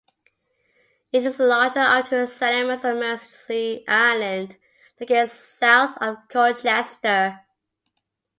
It is the larger of two settlements on Mersea Island, located south of Colchester.